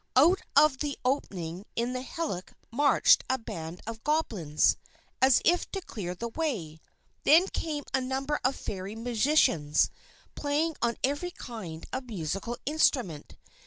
Out of the opening in the hillock marched a band of Goblins, as if to clear the way. Then came a number of Fairy musicians playing on every kind of musical instrument.